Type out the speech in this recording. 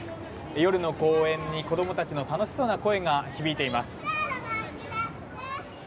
夜の公園に子供たちの楽しそうな声が響いています。